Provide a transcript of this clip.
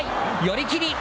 寄り切り。